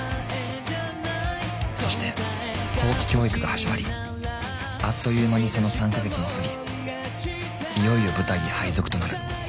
［そして後期教育が始まりあっという間にその３カ月も過ぎいよいよ部隊へ配属となる］